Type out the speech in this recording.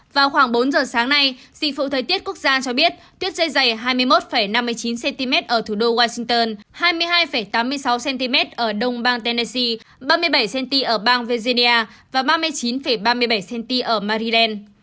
vào khoảng bốn giờ sáng nay dịch vụ thời tiết quốc gia cho biết tuyết dây dày hai mươi một năm mươi chín cm ở thủ đô washington hai mươi hai tám mươi sáu cm ở đông bang tennese ba mươi bảy cm ở bang virginia và ba mươi chín ba mươi bảy cm ở maridan